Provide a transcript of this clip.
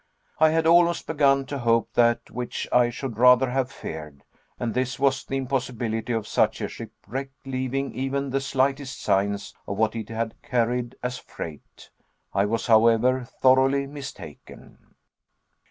I had almost begun to hope that which I should rather have feared, and this was the impossibility of such a shipwreck leaving even the slightest signs of what it had carried as freight. I was, however, thoroughly mistaken.